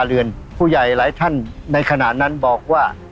เรือนผู้ใหญ่หลายท่านในขณะนั้นบอกว่า